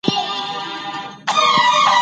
په سندره کې تاکېدي جملې شته.